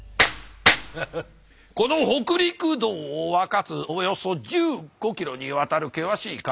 この北陸道を分かつおよそ１５キロにわたる険しい海岸線。